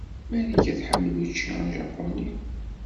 Marika tḥemmel ucci ajapuni?